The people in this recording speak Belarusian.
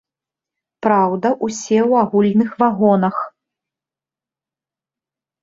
Праўда, усе ў агульных вагонах.